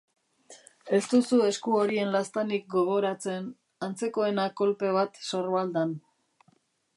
Ez duzu esku horien laztanik gogoratzen, antzekoena kolpe bat sorbaldan.